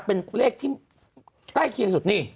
เป็นเลขที่ใกล้เคียงสุดนี่